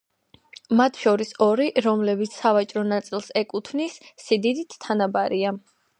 მათ შორის ორი, რომლებიც სავაჭრო ნაწილს ეკუთვნის, სიდიდით თანაბარია.